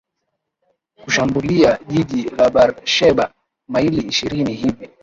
kushambulia jiji la bar sheba maili ishirini hivi